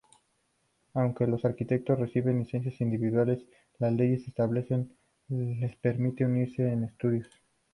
Aunque los arquitectos reciben licencias individualmente, las leyes estatales les permiten unirse en estudios.